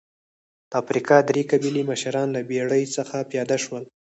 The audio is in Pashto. د افریقا درې قبایلي مشران له بېړۍ څخه پیاده شول.